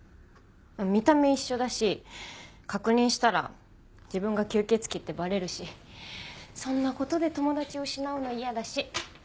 見た目一緒だし確認したら自分が吸血鬼ってバレるしそんな事で友達を失うの嫌だし。